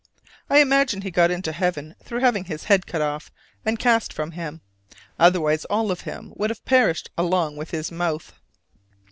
I imagine he got into heaven through having his head cut off and cast from him: otherwise all of him would have perished along with his mouth.